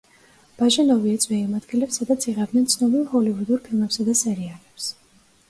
ბაჟენოვი ეწვია იმ ადგილებს, სადაც იღებდნენ ცნობილ ჰოლივუდურ ფილმებსა და სერიალებს.